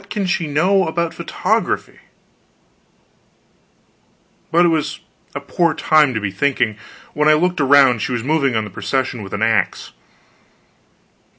why what can she know about photography? But it was a poor time to be thinking. When I looked around, she was moving on the procession with an axe!